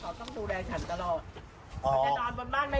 ก็แสดงว่าคุณบินก็พยายามให้กำลังใจชวนคุยสร้างเสียงหัวเราะค่ะ